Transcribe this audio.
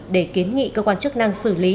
để kiến nghị cơ quan chức năng xử lý